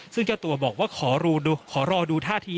ซึ่งเจ้าตัวบอกว่าขอรอดูท่าที